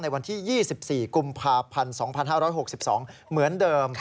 วันที่๒๔กุมภาพันธ์๒๕๖๒เหมือนเดิม